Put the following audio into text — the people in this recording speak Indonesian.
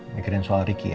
pikiran soal ricky ya